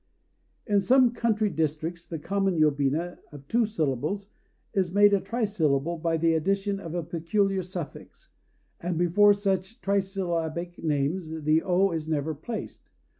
In some country districts the common yobina of two syllables is made a trisyllable by the addition of a peculiar suffix; and before such trisyllabic names the "O" is never placed.